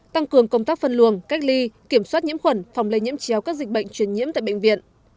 tăng cường công tác phân luồng cách ly kiểm soát nhiễm khuẩn phòng lây nhiễm chéo các dịch bệnh truyền nhiễm tại bệnh viện